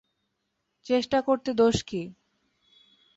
চেষ্টা করতে দোষ কী?